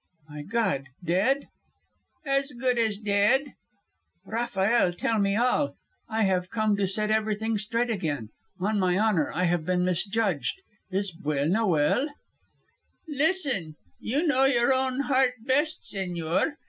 "My God, dead?" "As good as dead." "Rafael, tell me all. I have come to set everything straight again. On my honour, I have been misjudged. Is Buelna well?" "Listen. You know your own heart best, señor.